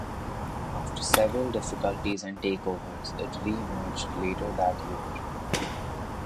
After several difficulties and takeovers, it re-emerged later that year.